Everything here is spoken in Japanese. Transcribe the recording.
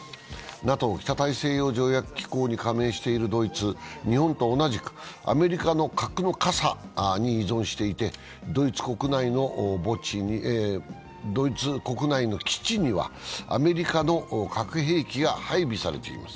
ＮＡＴＯ＝北大西洋条約機構に加盟しているドイツ、日本と同じくアメリカの核の傘に依存していて、ドイツ国内の基地にはアメリカの核兵器が配備されています。